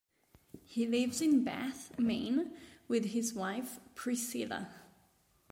He lives in Bath, Maine, with his wife Priscilla.